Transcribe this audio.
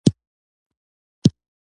سوالګر د غریبۍ داستان لري